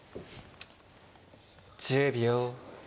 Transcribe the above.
１０秒。